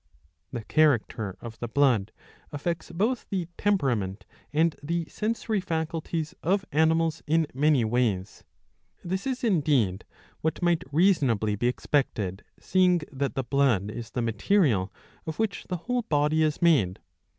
The character of the blood affects both the temperament and the sensory faculties of animals in many ways. This is indeed what might reasonably be expected, seeing that the blood is the material of which the whole body is made.